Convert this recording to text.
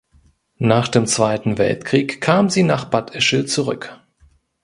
Nach dem Zweiten Weltkrieg kam sie nach Bad Ischl zurück.